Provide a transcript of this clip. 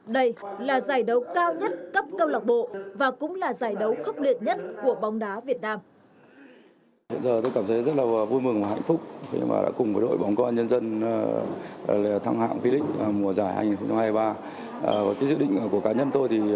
đây là giải đấu cao nhất cấp câu lạc bộ và cũng là giải đấu khốc liệt nhất của bóng đá việt nam